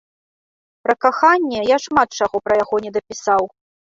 Пра каханне, я шмат чаго пра яго не дапісаў.